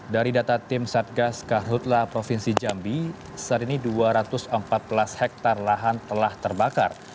dari data tim satgas karhutlah provinsi jambi saat ini dua ratus empat belas hektare lahan telah terbakar